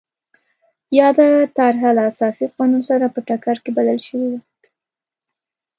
یاده طرحه له اساسي قانون سره په ټکر کې بلل شوې وه.